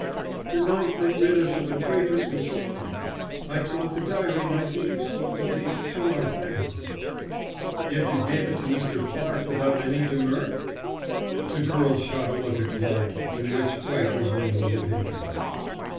"The knife that rid us of a traitress was sacred. I thought the diary might be useful to the to our friends." "Yet you gave it to Mr. Clarke without any demur?" The girl shot a look at Clarke in which fright was mingled with hatred.